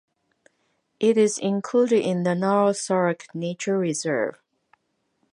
It is included in the Nahal Sorek Nature Reserve.